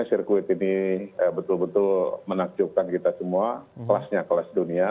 dan selalu ini betul betul menakjubkan kita semua kelasnya kelas dunia